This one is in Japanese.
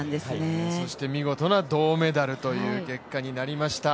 見事な銅メダルという結果になりました。